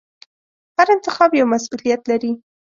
هر انتخاب یو مسؤلیت لري.